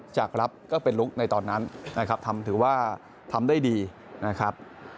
จากรับก็เป็นลุคในตอนนั้นนะครับถือว่าทำได้ดีนะครับ